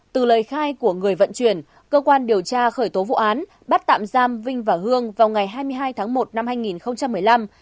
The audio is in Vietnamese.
từ lời khai của người vận chuyển cơ quan điều tra khởi tố vụ án bắt tạm giam vinh và hương vào ngày hai mươi hai tháng một năm hai nghìn một mươi năm